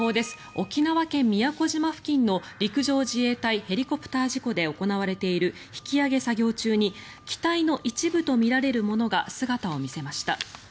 沖縄県・宮古島付近の陸上自衛隊ヘリコプター事故で行われている引き揚げ作業中に機体の一部とみられるものが姿を見せました。